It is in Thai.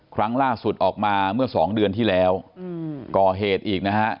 ครั้งล่าสุดออกมาเมื่อสองเดือนที่แล้วก่อเหตุอีกนะฮะ